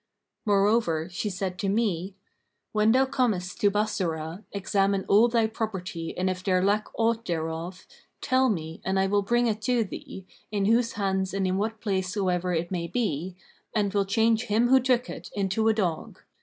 Moreover, she said to me, 'When thou comest to Bassorah, examine all thy property and if there lack aught thereof, tell me and I will bring it to thee, in whose hands and in what place soever it may be, and will change him who took it into a dog.